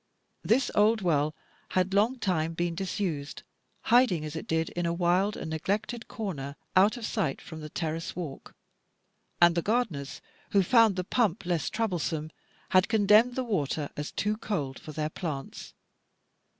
This old well had long time been disused, hiding, as it did, in a wild and neglected corner out of sight from the terrace walk; and the gardeners, who found the pump less troublesome, had condemned the water as too cold for their plants.